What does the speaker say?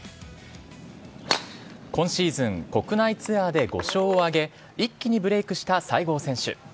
今シーズン、国内ツアーで５勝を挙げ、一気にブレークした西郷選手。